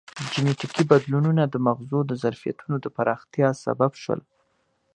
جینټیکي بدلونونه د مغزو د ظرفیتونو د پراختیا سبب شول.